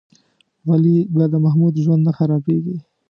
ولې به د محمود ژوند نه خرابېږي؟